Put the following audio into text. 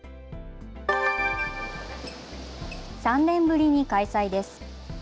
３年ぶりに開催です。